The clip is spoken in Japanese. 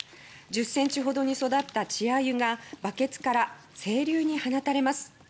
１０センチほどに育った稚アユがバケツから清流に放たれます。